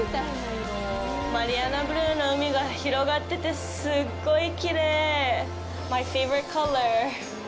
マリアナブルーの海が広がっててすっごいきれい。